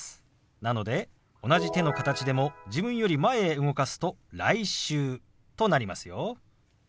なので同じ手の形でも自分より前へ動かすと「来週」となりますよ。